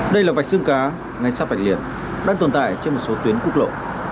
đây là vạch xương cá ngay sắp vạch liền đang tồn tại trên một số tuyến quốc lộ